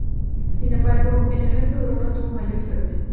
Sin embargo, en el resto de Europa tuvo mayor suerte.